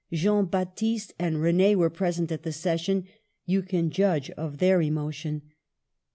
Jean Baptiste and Rene were present at the session. You can judge of their emotion.